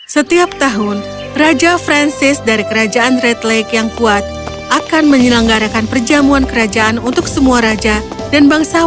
sub dari sosis